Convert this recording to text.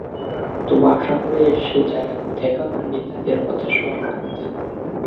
তবু আশা করে এসে যাঁরা দেখা পাননি, তাঁদের হতাশ হওয়ার কারণ থাকবে।